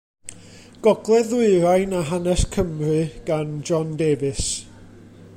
Gogledd-ddwyrain a Hanes Cymru gan John Davies.